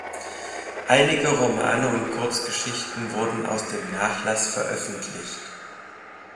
Einige Romane und Kurzgeschichten wurden aus dem Nachlass veröffentlicht.